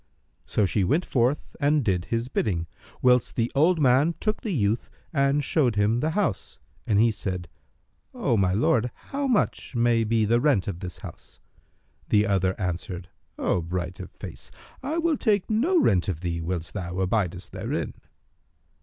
So she went forth and did his bidding; whilst the old man took the youth and showed him the house; and he said, "O my lord, how much may be the rent of this house?" The other answered, "O bright of face, I will take no rent of thee whilst thou abidest therein."